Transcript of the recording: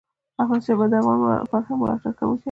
احمدشاه بابا د افغان فرهنګ ملاتړ کوونکی و.